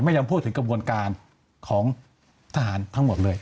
ยังพูดถึงกระบวนการของทหารทั้งหมดเลย